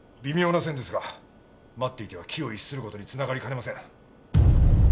微妙な線ですが待っていては機を逸する事につながりかねません。